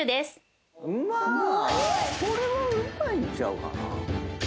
これはうまいんちゃうかな？